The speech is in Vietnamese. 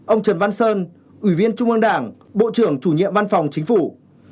ông trần văn sơn ủy viên trung ương đảng bộ trưởng chủ nhiệm văn phòng chính phủ